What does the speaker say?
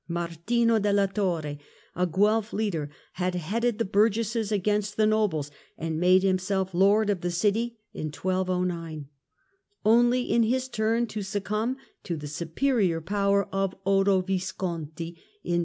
Martino della Torre, a Guelf leader, had headed the burgesses against the nobles and made himself lord of the city (1209), only in his turn to succumb to the superior power of Otto Visconti (1277).